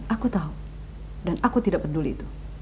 aku tahu dan aku tidak peduli itu